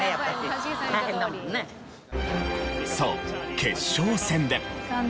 そう決勝戦で。